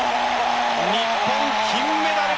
日本金メダル！